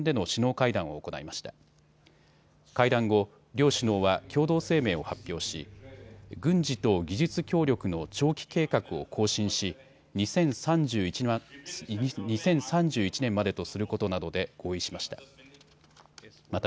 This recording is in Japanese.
会談後、両首脳は共同声明を発表し軍事と技術協力の長期計画を更新し２０３１年までとすることなどで合意しました。